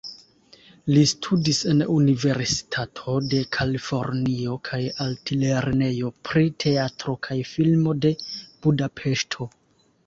Li studis en Universitato de Kalifornio kaj Altlernejo pri Teatro kaj Filmo de Budapeŝto.